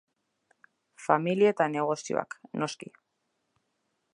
Familia eta negozioak, noski.